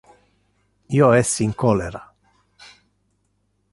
Io es in cholera.